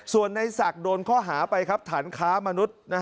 ส่วนในศักดิ์โดนข้อหาไปครับฐานค้ามนุษย์